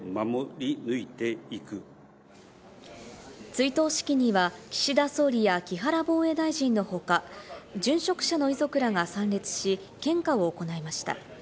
追悼式には岸田総理や木原防衛大臣の他、殉職者の遺族らが参列し、献花を行いました。